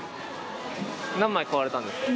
何枚買われたんですか？